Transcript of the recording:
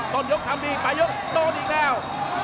ต้นยกทำดีปลายยกโดนอีกแล้ว